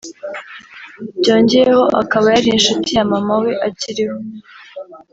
byongeyeho akaba yari n’inshuti ya mama we akiriho